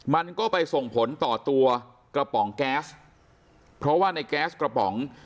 มันก็ไปส่งผลต่อตัวกระป๋องแก๊สเพราะว่าในแก๊สกระป๋อง